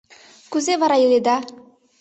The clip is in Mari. Кузе вара иледа?